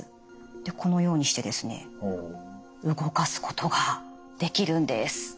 でこのようにしてですね動かすことができるんです。